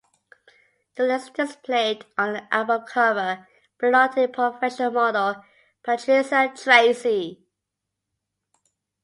The legs displayed on the album cover belong to professional model Patricia Tracy.